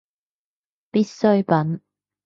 必需品